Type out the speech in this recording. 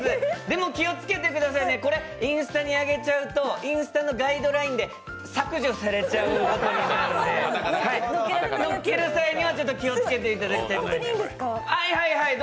でも気をつけてくださいねインスタにあげちゃうとインスタのガイドラインで削除されちゃうことになるので着る際には気をつけていただきたいと思います。